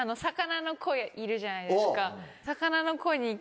いるじゃないですか。